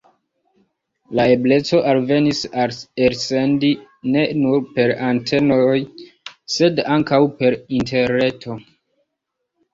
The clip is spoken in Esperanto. La ebleco alvenis elsendi ne nur per antenoj, sed ankaŭ per Interreto.